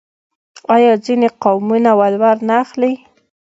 آیا ځینې قومونه ولور نه اخلي؟